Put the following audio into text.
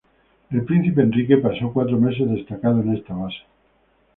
El príncipe Enrique pasó cuatro meses destacado en esta base.